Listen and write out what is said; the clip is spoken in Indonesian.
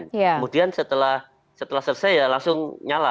kemudian setelah selesai ya langsung nyala